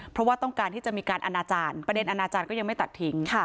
เพราะว่าต้องการที่จะมีการอนาจารย์ประเด็นอนาจารย์ก็ยังไม่ตัดทิ้ง